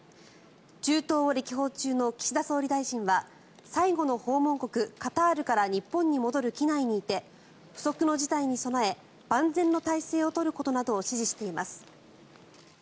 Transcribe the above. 中東を歴訪中の岸田総理大臣は最後の訪問国、カタールから日本に戻る機内にいて不測の事態に備え万全の態勢を取ることなどを指示しています。